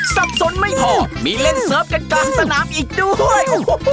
สับสนไม่พอมีเล่นเสิร์ฟกันกลางสนามอีกด้วย